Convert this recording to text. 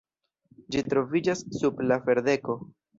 Ĝi troviĝas sub la ferdeko.